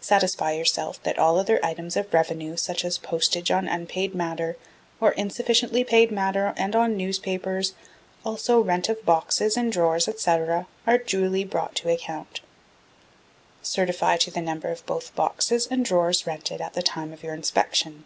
Satisfy yourself that all other items of revenue, such as postage on unpaid matter, on insufficiently paid matter and on newspapers, also rent of boxes, and drawers, &c, are duly brought to account. Certify to the numbers of both boxes and drawers rented at the time of your inspection.